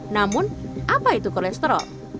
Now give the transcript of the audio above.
namun apa itu kolesterol